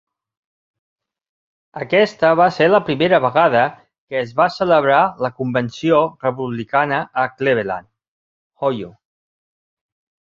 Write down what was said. Aquesta va ser la primera vegada que es va celebrar la Convenció republicana a Cleveland, Ohio.